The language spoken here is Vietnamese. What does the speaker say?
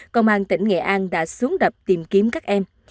công an tỉnh nghệ an đã xuống đập tìm kiếm các em